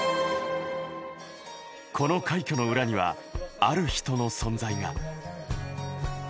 この快挙の裏にはある人の存在が。